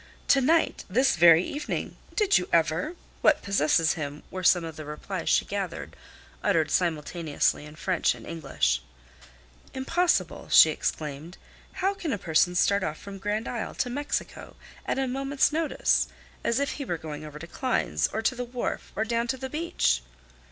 "To night!" "This very evening!" "Did you ever!" "What possesses him!" were some of the replies she gathered, uttered simultaneously in French and English. "Impossible!" she exclaimed. "How can a person start off from Grand Isle to Mexico at a moment's notice, as if he were going over to Klein's or to the wharf or down to the beach?"